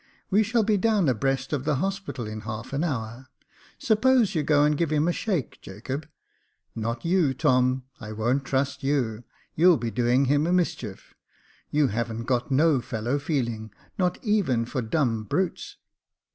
We shall be down abreast of the Hospital in half an hour. Suppose you go and give him a shake, Jacob. Not you, Tom : I won't trust you — you'll be doing him a mischief; you haven't got no fellow feeling, not even for dumb brutes."